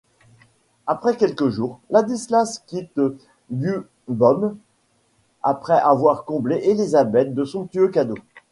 Après quelques jours, Ladislas quitte Liuboml après avoir comblé Élisabeth de somptueux cadeaux.